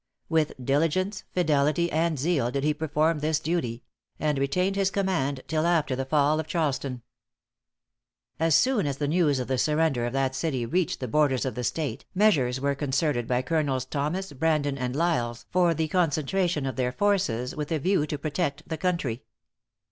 With diligence, fidelity and zeal did he perform this duty; and retained his command till after the fall of Charleston. As soon as the news of the surrender of that city reached the borders of the State, measures were concerted by Colonels Thomas, Brandon and Lysles, for the concentration of their forces with a view to protect the country.